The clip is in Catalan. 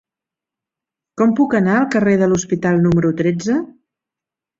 Com puc anar al carrer de l'Hospital número tretze?